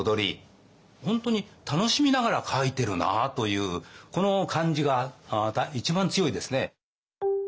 本当に楽しみながら描いてるなというこの感じが一番強いですね。